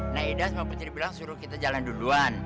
nah ida sama penceri bilang suruh kita jalan duluan